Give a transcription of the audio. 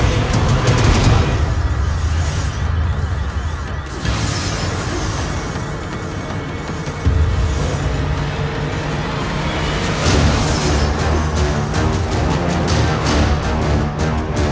islam belum pernah ters franc